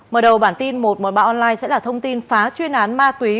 mở đầu bản tin một trăm một mươi ba online sẽ là thông tin phá chuyên án ma túy